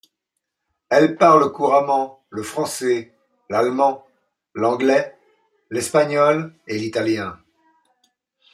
Elle parle couramment le français, l’allemand, l’anglais, l’espagnol et l’italien.